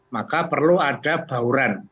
maka perlu ada bauran